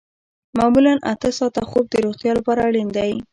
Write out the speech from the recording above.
معمولاً اته ساعته خوب د روغتیا لپاره اړین دی